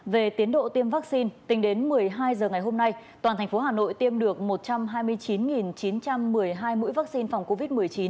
về tiến độ tiêm vaccine tính đến một mươi hai h ngày hôm nay toàn thành phố hà nội tiêm được một trăm hai mươi chín chín trăm một mươi hai mũi vaccine phòng covid một mươi chín